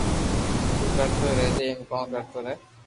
تو ڪرتو رھي ايم ڪوم ڪرتو رھي